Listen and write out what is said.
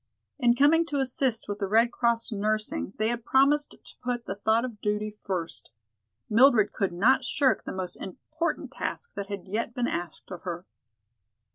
In coming to assist with the Red Cross nursing they had promised to put the thought of duty first. Mildred could not shirk the most important task that had yet been asked of her.